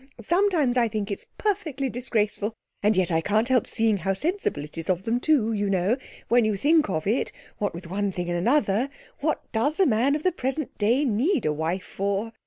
Sometimes I think it's perfectly disgraceful. And yet I can't help seeing how sensible it is of them too; you know, when you think of it, what with one thing and another, what does a man of the present day need a wife for?